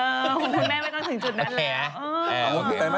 พูดแม่ไม่ต้องถึงจุดนั้นแล้วโอเค